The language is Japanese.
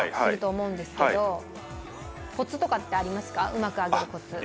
うまく揚げるコツ。